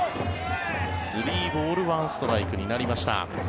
３ボール１ストライクになりました。